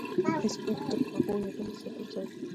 فېسبوک د خوږو یادونو د ساتلو ځای دی